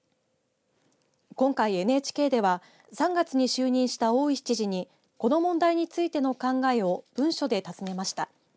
今回、ＮＨＫでは３月に就任した大石記事にこの問題についての考えを文書で訪ねました。